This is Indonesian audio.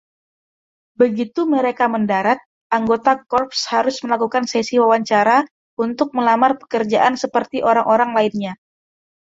Begitu mereka mendarat, anggota korps harus melakukan sesi wawancara untuk melamar pekerjaan seperti orang-orang lainnya.